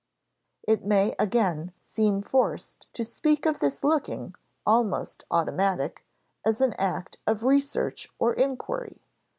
It may again seem forced to speak of this looking, almost automatic, as an act of research or inquiry.